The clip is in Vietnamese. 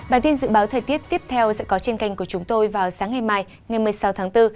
bản tin dự báo thời tiết tiếp theo sẽ có trên kênh của chúng tôi vào sáng ngày mai ngày một mươi sáu tháng bốn